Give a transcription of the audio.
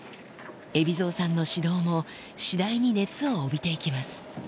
海老蔵さんの指導も、次第に熱を帯びていきます。